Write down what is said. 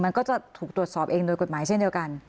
มันก็จะถูกตรวจสอบเองโดยกฎหมายเช่นเดียวกัน